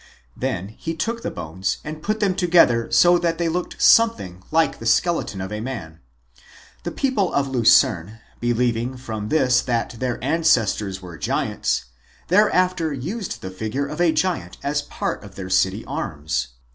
Then he took the bones and put them together so that they looked something like the skeleton of a man. The people of Lucerne, believing from this that their ancestors were giants, thereafter used the figure of a giant as part of their city arms.